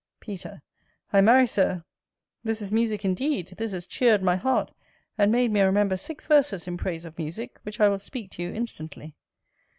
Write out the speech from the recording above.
Peter. I marry, Sir, this is musick indeed; this has cheer'd my heart, and made me remember six verses in praise of musick, which I will speak to you instantly.